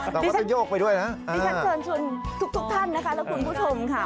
เราก็จะโยกไปด้วยนะดิฉันเชิญชวนทุกทุกท่านนะคะและคุณผู้ชมค่ะ